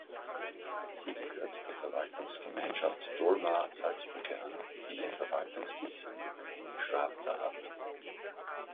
Sie gehört der Verwaltungsgemeinschaft Dolmar-Salzbrücke an, die ihren Verwaltungssitz in der Gemeinde Schwarza hat.